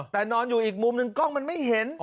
แต่นอนอยู่อีกมุมหนึ่งกล้องมันไม่เห็น